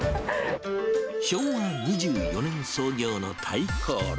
昭和２４年創業の泰興楼。